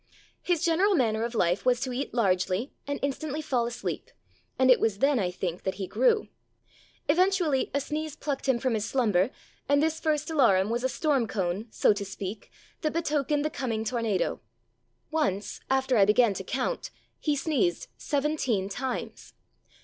His general manner of life was to eat largely and instantly fall asleep, and it was then, I think, that he grew. Eventually a sneeze plucked him from his slumber, and this first alarum was a storm cone, so to speak, that betokened the coming tornado. Once, after I began to count, he sneezed seventeen times.